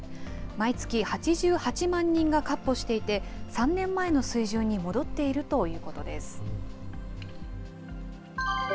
毎月８８万人がかっ歩していて３年前の水準に戻っているということです。